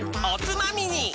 おつまみに！